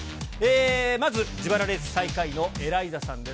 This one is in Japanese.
まず、自腹レース最下位のエライザさんです。